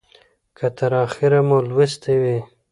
که تر اخیره مو لوستې وي